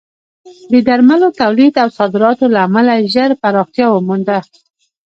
د درملو تولید او صادراتو له امله ژر پراختیا ومونده.